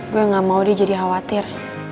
gue gak mau dia jadi khawatir